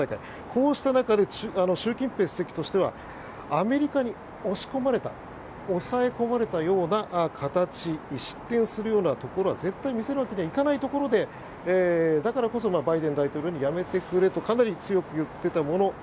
こうした中で習近平主席としてはアメリカに押し込まれた押さえ込まれたような形失点するようなところは絶対見せるわけにはいかないところでだからこそ、バイデン大統領にやめてくれとかなり強く言っていたもの。